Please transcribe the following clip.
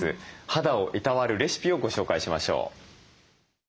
肌をいたわるレシピをご紹介しましょう。